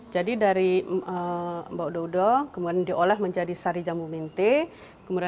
jadi dari bok dodo kemudian diolah menjadi sari jambu mente